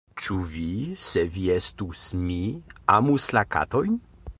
Ĉu vi, se vi estus mi, amus la katojn?